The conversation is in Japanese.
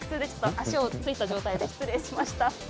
足をついた状態で失礼しました。